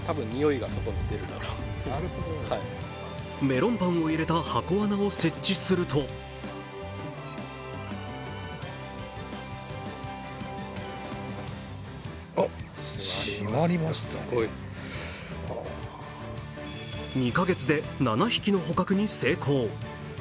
メロンパンを入れた箱わなを設置すると２カ月で７匹の捕獲に成功。